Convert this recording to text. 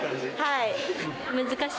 はい。